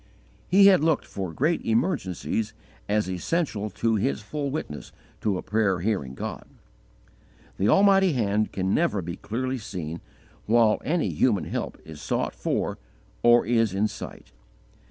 He had looked for great emergencies as essential to his full witness to a prayer hearing God. The almighty Hand can never be clearly seen while any human help is sought for or is in sight.